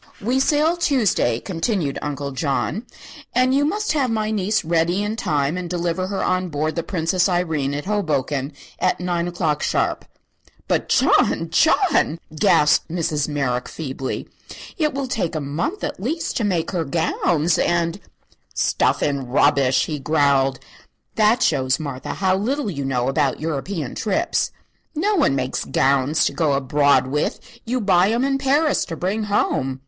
"We sail Tuesday," continued Uncle John, "and you must have my niece ready in time and deliver her on board the 'Princess Irene' at Hoboken at nine o'clock, sharp." "But John John!" gasped Mrs. Merrick, feebly, "it will take a month, at least, to make her gowns, and " "Stuff and rubbish!" he growled. "That shows, Martha, how little you know about European trips. No one makes gowns to go abroad with; you buy 'em in Paris to bring home."